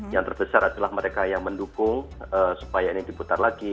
yang terbesar adalah mereka yang mendukung supaya ini diputar lagi